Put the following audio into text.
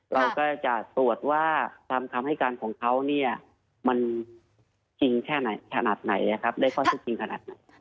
เราก็จะตรวจว่าตามคำให้การของเขาเนี่ยมันจริงแค่ไหนขนาดไหนได้ข้อที่จริงขนาดไหน